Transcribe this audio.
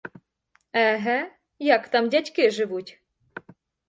Еге, як там дядьки живуть!